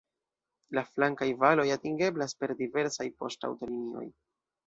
La flankaj valoj atingeblas per diversaj poŝtaŭtolinioj.